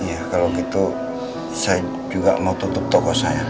iya kalau gitu saya juga mau tutup toko saya